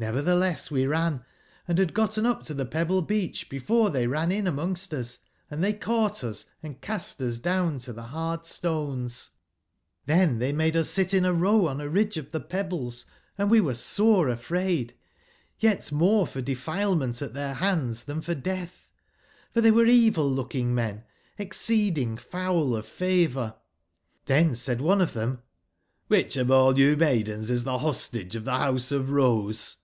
JVever tbeless we ran, & bad gotten up to tbe pebble/beacb before tbey ran in amongst us: and tbey caugbt us, and cast us down on to tbe bard stones ^ tiben b4 7 tbey made us sit in a row on a ridge of the pebbles ; and we were sore afraid, yet more for defilement at their hands than for death; for they were evil/look ing men exceeding foul of favour. Xthen said one of them :* ^hich of all you maidens is the Hostage of the House of the Rose?'